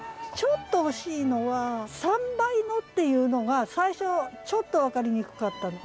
ちょっと惜しいのは「三倍の」っていうのが最初ちょっと分かりにくかった。